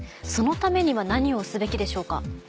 そのためには何をすべきでしょうか？